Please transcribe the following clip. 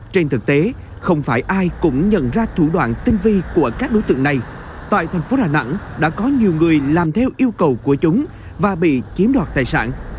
trên thực tế không phải ai cũng nhận ra thủ đoạn tinh vi của các đối tượng này tại thành phố đà nẵng đã có nhiều người làm theo yêu cầu của chúng và bị chiếm đoạt tài sản